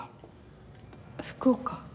福岡？